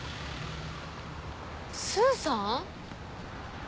スーさん？